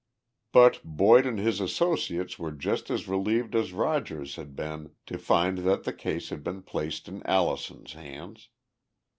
But Boyd and his associates were just as relieved as Rogers had been to find that the case had been placed in Allison's hands.